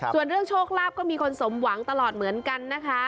ส่วนเรื่องโชคลาภก็มีคนสมหวังตลอดเหมือนกันนะคะ